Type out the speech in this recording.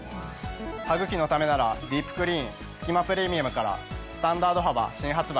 「歯ぐきのためならディープクリーンすき間プレミアム」からスタンダード幅新発売。